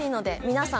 皆さん